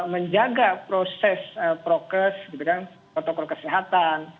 menjaga proses prokes gitu kan protokol kesehatan